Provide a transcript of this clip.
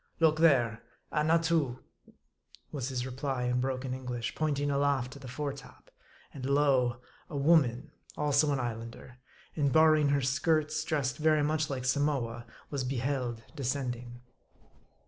" Look there : Annatoo ! was his reply in broken En glish, pointing aloft to the fore top. And lo ! a woman, also an Islander ; and barring her skirts, dressed very much like Samoa, was beheld descending.